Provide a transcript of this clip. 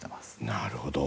なるほど。